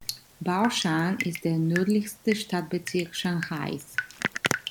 Baoshan ist der nördlichste Stadtbezirk Shanghais.